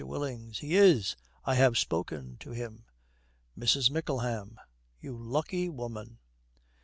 WILLINGS. 'He is. I have spoken to him.' MRS. MICKLEHAM. 'You lucky woman.'